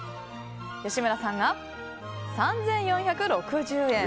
吉村さんが３４６０円。